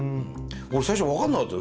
俺最初分かんなかったよ